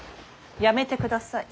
やめてください。